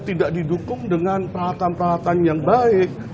tidak didukung dengan peralatan peralatan yang baik